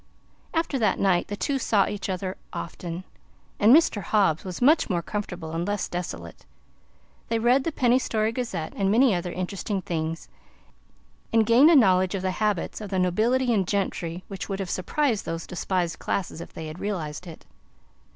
After that night, the two saw each other often, and Mr. Hobbs was much more comfortable and less desolate. They read the Penny Story Gazette, and many other interesting things, and gained a knowledge of the habits of the nobility and gentry which would have surprised those despised classes if they had realized it.